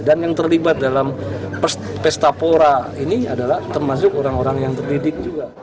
dan yang terlibat dalam pestapora ini adalah termasuk orang orang yang terdidik juga